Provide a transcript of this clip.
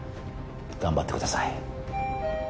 頑張ってください。